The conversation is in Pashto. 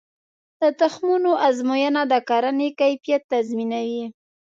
د تخمونو ازموینه د کرنې کیفیت تضمینوي.